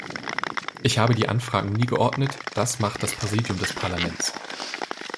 Ich habe die Anfragen nie geordnet, das macht das Präsidium des Parlaments.